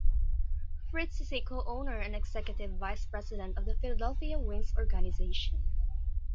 Fritz is Co-Owner and Executive Vice President of the Philadelphia Wings organization.